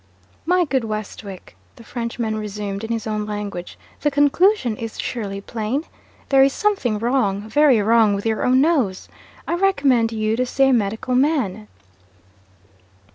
'My good Westwick,' the Frenchman resumed, in his own language, 'the conclusion is surely plain? There is something wrong, very wrong, with your own nose. I recommend you to see a medical man.'